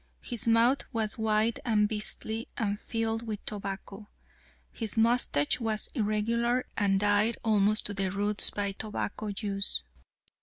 His mouth was wide and beastly, and filled with tobacco. His mustache was irregular, and dyed almost to the roots by tobacco juice.